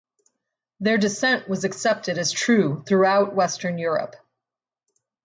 Their descent was accepted as true throughout Western Europe.